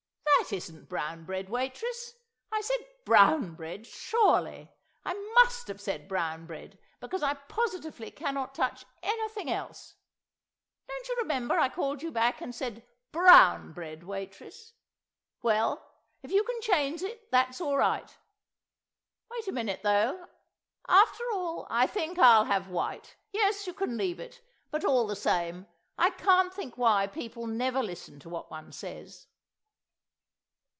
That isn't brown bread, waitress! I said brown bread surely? I must have said brown bread, because I positively cannot touch anything else. Don't you remember I called you back and said, 'Brown bread, waitress?' Well, if you can change it, that's all right. Wait a minute, though; after all, I think I'll have white. ... Yes, you can leave it; but all the same, I can't think why people never listen to what one says."